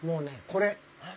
これ。